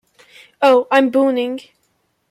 Oh, I’m burning!